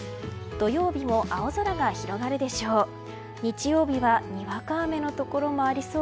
土曜日も青空が広がるでしょう。